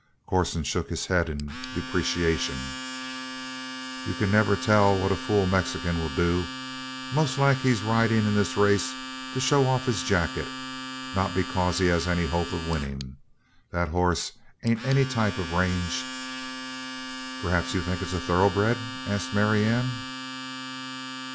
Corson shook his head in depreciation. "You never can tell what a fool Mexican will do. Most like he's riding in this race to show off his jacket, not because he has any hope of winning. That hoss ain't any type of range " "Perhaps you think it's a thoroughbred?" asked Marianne.